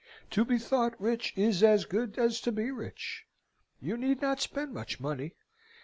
To be thought rich is as good as to be rich. You need not spend much money.